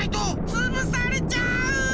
つぶされちゃう！